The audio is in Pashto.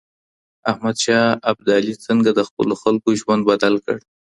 احمد شاه ابدالي څنګه د خپلو خلګو ژوند بدل کړ؟